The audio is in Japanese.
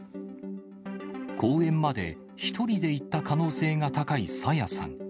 公園まで１人で行った可能性が高い朝芽さん。